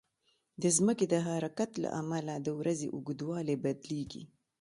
د ځمکې د حرکت له امله د ورځې اوږدوالی بدلېږي.